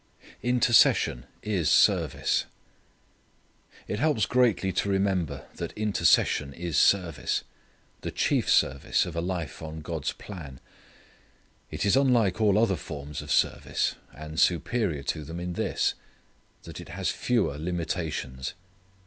Intercession is Service. It helps greatly to remember that intercession is service: the chief service of a life on God's plan. It is unlike all other forms of service, and superior to them in this: that it has fewer limitations.